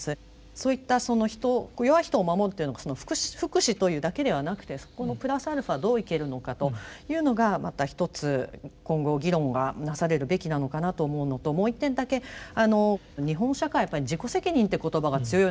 そういったその人弱い人を守るというのが福祉というだけではなくてそこのプラスアルファどう生きるのかというのがまたひとつ今後議論がなされるべきなのかなと思うのともう一点だけ日本社会はやっぱり自己責任って言葉が強いのかなと。